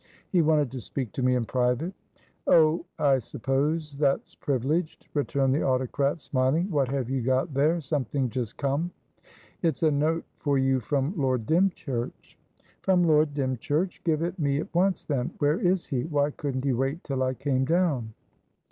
"He wanted to speak to me in private." "Oh, I suppose that's privileged," returned the autocrat, smiling. "What have you got there? Something just come?" "It's a note for you from Lord Dymchurch." "From Lord Dymchurch? Give it me at once, then. Where is he? Why couldn't he wait till I came down?"